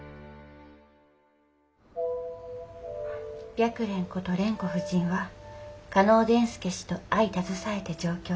「白蓮こと蓮子夫人は嘉納伝助氏と相携えて上京。